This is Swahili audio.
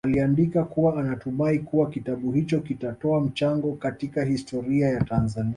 Aliandika kuwa anatumai kuwa kitabu hicho kitatoa mchango katika historia ya Tanzania